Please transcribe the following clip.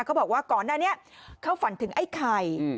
เขาบอกว่าก่อนหน้านี้เขาฝันถึงไอ้ไข่